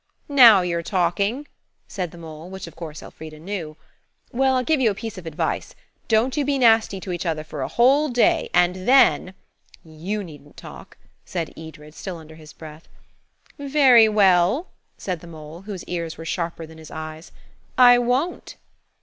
"Now you're talking," said the mole, which, of course, Elfrida knew. "Well, I'll give you a piece of advice. Don't you be nasty to each other for a whole day, and then–" "You needn't talk," said Edred, still under his breath. "Very well," said the mole, whose ears were sharper than his eyes. "I won't."